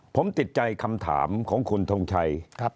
ผมติดใจคำถามของคุณทงชัย